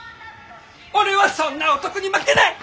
俺はそんな男に負けない！